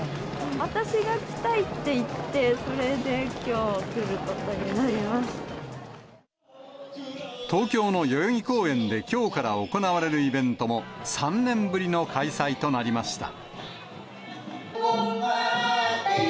私が来たいって言って、それで、東京の代々木公園で、きょうから行われるイベントも、３年ぶりの開催となりました。